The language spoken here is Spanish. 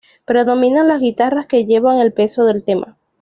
Predominan las guitarras, que llevan el peso del tema.